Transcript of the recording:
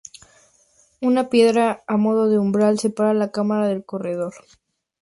Una piedra a modo de umbral separa la cámara del corredor.